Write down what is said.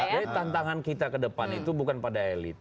jadi tantangan kita ke depan itu bukan pada elit